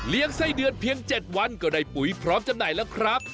ไส้เดือนเพียง๗วันก็ได้ปุ๋ยพร้อมจำหน่ายแล้วครับ